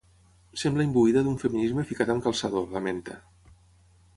“Sembla imbuïda d’un feminisme ficat amb calçador”, lamenta.